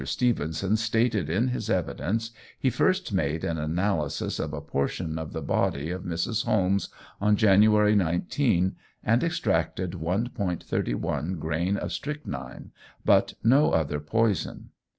Stevenson stated in his evidence, he first made an analysis of a portion of the body of Mrs. Holmes on January 19, and extracted 1·31 grain of strychnine, but no other poison.